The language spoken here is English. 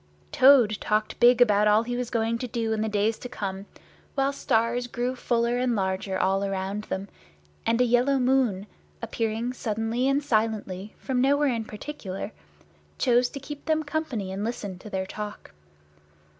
Toad talked big about all he was going to do in the days to come, while stars grew fuller and larger all around them, and a yellow moon, appearing suddenly and silently from nowhere in particular, came to keep them company and listen to their talk.